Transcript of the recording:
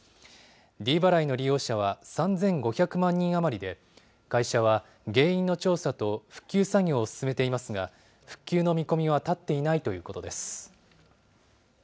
ｄ払いの利用者は３５００万人余りで、会社は原因の調査と復旧作業を進めていますが、復旧の見込みは立っていないということです。